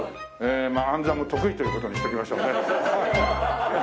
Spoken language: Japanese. まあ暗算も得意という事にしておきましょうね。